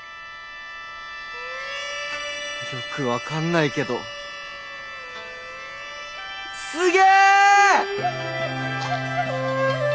よく分かんないけどすげ！